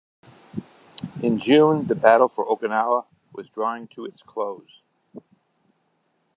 In June, the battle for Okinawa was drawing to its close.